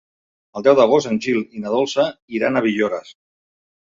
El deu d'agost en Gil i na Dolça iran a Villores.